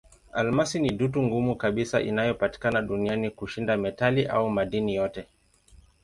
Almasi ni dutu ngumu kabisa inayopatikana duniani kushinda metali au madini yote.